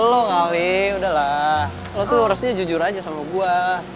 lo ngawi udah lah lo tuh harusnya jujur aja sama gue